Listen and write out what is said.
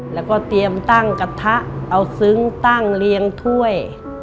แล้วก็เตรียมตั้งกระทะเอาซึ้งตั้งเรียงถ้วย